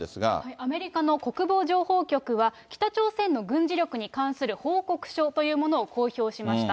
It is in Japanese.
アメリカの国防情報局は、北朝鮮の軍事力に関する報告書というものを公表しました。